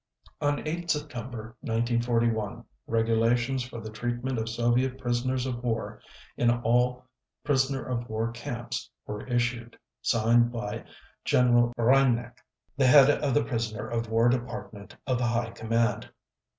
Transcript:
On 8 September 1941 regulations for the treatment of Soviet prisoners of war in all prisoner of war camps were issued, signed by General Reinecke, the head of the prisoner of war department of the High Command.